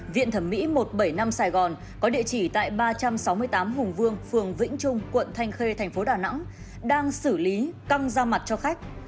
viện thẩm mỹ một trăm bảy mươi năm sài gòn có địa chỉ tại ba trăm sáu mươi tám hùng vương phường vĩnh trung quận thanh khê thành phố đà nẵng đang xử lý căng ra mặt cho khách